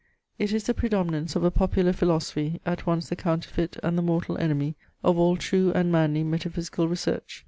It is the predominance of a popular philosophy, at once the counterfeit and the mortal enemy of all true and manly metaphysical research.